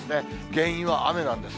原因は雨なんです。